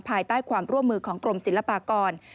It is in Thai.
ภายใต้ความร่วมมือของกรมศิลปากร